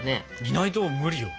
いないと無理よ。